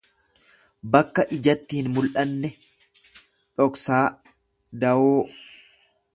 Bakka ijatti hin mul'anne, dhoksaa, dawoo.